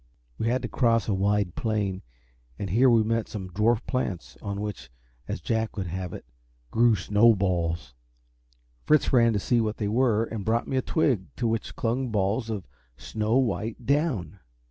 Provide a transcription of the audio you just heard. We had to cross a wide plain, and here we met with some dwarf plants on which, as Jack would have it, grew snow balls. Fritz ran to see what they were, and brought me a twig to which clung balls of snow white down.